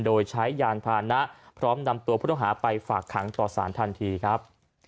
โดยใช้ยานพานะพร้อมนำตัวผู้ต้องหาไปฝากขังต่อสารทันทีครับ